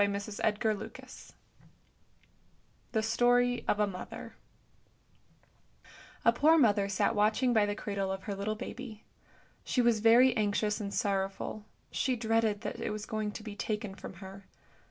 UW \*JL*f \£±f \M=J \^f THE STORY OF A MOTHER A POOR mother sat watching by the cradle of her little baby. She was very anxious and sorrowful; she dreaded that it was going to be taken from her.